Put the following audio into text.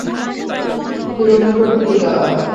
গ্রহের অন্ধকার দিক এটা।